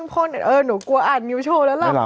พ่นเออหนูกลัวอาจริย์มิวโชว์แล้วล่ะ